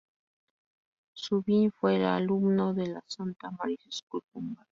Zubin fue alumno de la St Mary's School, Bombay.